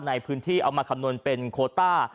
ในพื้นที่เอามาคำนวณเป็นโคต้า